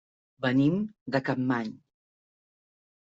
Venim de Capmany.